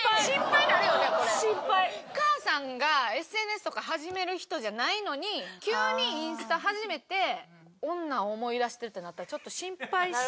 お母さんがＳＮＳとか始める人じゃないのに急にインスタ始めて女思い出してるってなったらちょっと心配して。